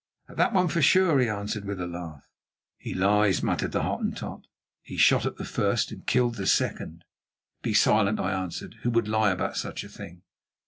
"At that one for sure," he answered with a laugh. "He lies," muttered the Hottentot; "he shot at the first and killed the second." "Be silent," I answered. "Who would lie about such a thing?"